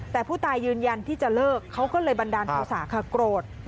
แต่ผู้ตายยืนยันที่จะเลิกเขาก็เลยบันดาลโทษะค่ะโกรธ